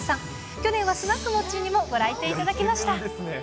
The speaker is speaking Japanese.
去年はスナックモッチーにもご来店いただきました。